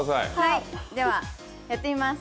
では、やってみます。